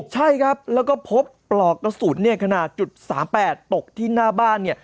ใช่ครับแล้วก็พบปลอกกระสุนเนี่ยขนาด๓๘ตกที่หน้าบ้านเนี่ย